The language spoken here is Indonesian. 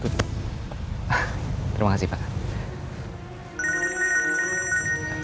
terima kasih pak